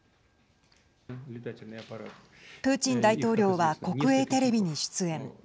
プーチン大統領は国営テレビに出演。